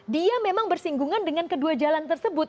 dia memang bersinggungan dengan kedua jalan tersebut